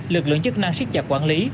lực lượng chức năng xích chặt quản lý